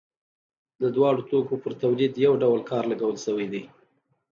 د دواړو توکو په تولید یو ډول کار لګول شوی دی